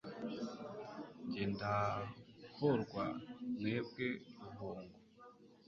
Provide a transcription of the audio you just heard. jye ndahorwa. Mwebwe Ruhongo,